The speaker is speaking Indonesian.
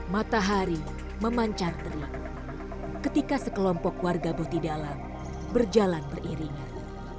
matahari memancar terik ketika sekelompok warga boti dalam berjalan beriringan